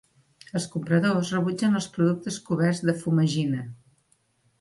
Els compradors rebutgen els productes coberts de fumagina.